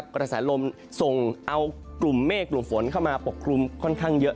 กระแสลมส่งเอากลุ่มเมฆกลุ่มฝนเข้ามาปกคลุมค่อนข้างเยอะ